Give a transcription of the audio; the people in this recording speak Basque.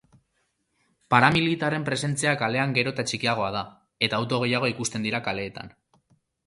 Paramilitarren presentzia kalean gero eta txikiagoa da eta auto gehiago ikusten dira kaleetan.